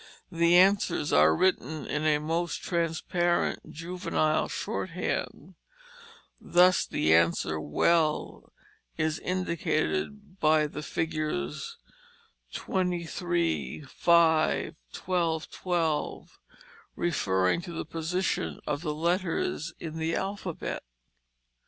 The answers are written in a most transparent juvenile shorthand. Thus the answer, "Well," is indicated by the figures 23, 5, 12, 12, referring to the position of the letters in the alphabet.